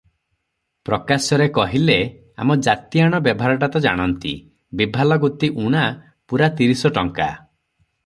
ପ୍ରକାଶ୍ୟରେ କହିଲେ- ଆମ ଜାତିଆଣ ବେଭାରଟା ତ ଜାଣନ୍ତି, ବିଭାଲଗୁତି ଊଣା ପୂରା ତିନିଶ ଟଙ୍କା ।